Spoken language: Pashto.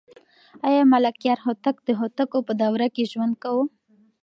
آیا ملکیار هوتک د هوتکو په دوره کې ژوند کاوه؟